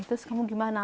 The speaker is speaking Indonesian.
terus kamu gimana